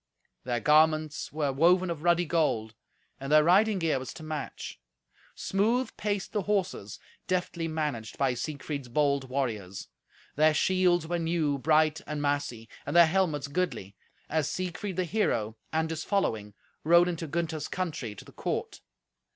Their garments were woven of ruddy gold, and their riding gear was to match. Smooth paced the horses, deftly managed by Siegfried's bold warriors. Their shields were new, bright and massy, and their helmets goodly, as Siegfried the hero and his following rode into Gunther's country to the court.